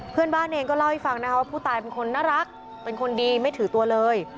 เพื่อนบ้านเองก็เล่าให้ฟังนะคะว่าผู้ตายเป็นคนน่ารักเป็นคนดีไม่ถือตัวเลย